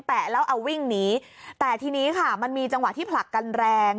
แล้วเอาวิ่งหนีแต่ทีนี้ค่ะมันมีจังหวะที่ผลักกันแรง